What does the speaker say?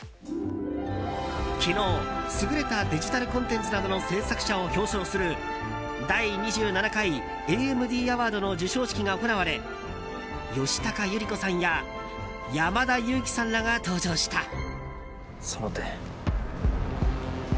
昨日優れたデジタルコンテンツなどの制作者を表彰する第２７回ＡＭＤアワードの授賞式が行われ吉高由里子さんや山田裕貴さんらが登場した。